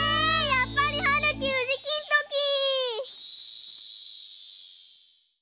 やっぱりはるきうじきんとき！